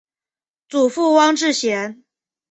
祖父汪志贤。